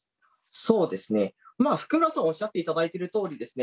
そうですね福村さんおっしゃっていただいてるとおりですね